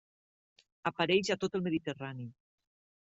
Apareix a tot el Mediterrani.